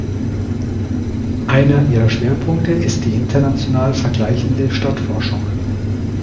Einer ihrer Schwerpunkte ist die international vergleichende Stadtforschung.